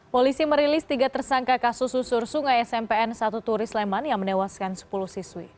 polisi merilis tiga tersangka kasus susur sungai smpn satu turis leman yang menewaskan sepuluh siswi